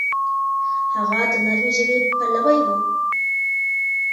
هغه د نرمې ژبې پلوی و.